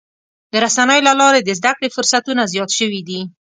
د رسنیو له لارې د زدهکړې فرصتونه زیات شوي دي.